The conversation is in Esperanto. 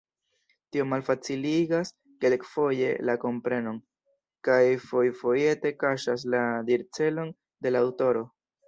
Tio malfaciligas kelkfoje la komprenon, kaj fojfojete kaŝas la dircelon de la aŭtoro.